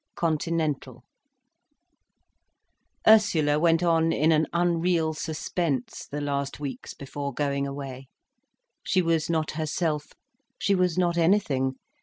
CONTINENTAL Ursula went on in an unreal suspense, the last weeks before going away. She was not herself,—she was not anything.